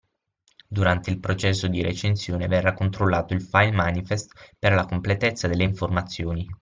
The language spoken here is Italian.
Durante il processo di recensione verrà controllato il file manifest per la completezza delle informazioni